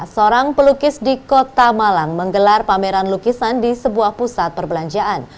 seorang pelukis di kota malang menggelar pameran lukisan di sebuah pusat perbelanjaan